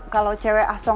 kalau cewek asoknya